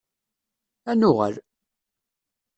Ad nuɣal!